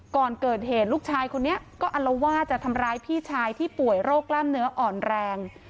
ก่อนเกิดเหตุลูกชายคนนี้ก็อัลว่าจะทำร้ายพี่ชายที่ป่วยโรคกล้ามเนื้ออ่อนแรง